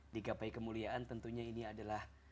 di gapai kemuliaan tentunya ini adalah